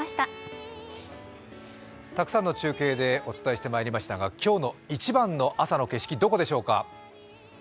たくさんの中継でお伝えしてまいりましたが今日の一番の朝の景色、どこでしょうか。